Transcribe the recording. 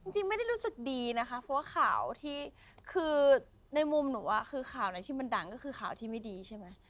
จริงไม่ได้รู้สึกดีนะคะเพราะว่าข่าวที่คือในมุมหนูคือข่าวไหนที่มันดังก็คือข่าวที่ไม่ดีใช่ไหม